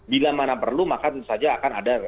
bila mana perlu maka tentu saja akan ada